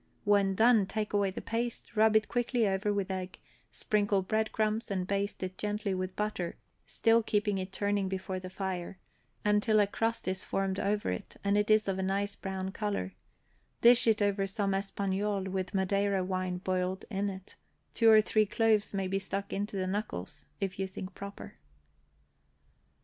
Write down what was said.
When done, take away the paste, rub it quickly over with egg, sprinkle breadcrumbs, and baste it gently with butter (still keeping it turning before the fire), until a crust is formed over it, and it is of a nice brown color; dish it over some espagnole with Madeira wine boiled in it; two or three cloves may be stuck into the knuckles, if you think proper.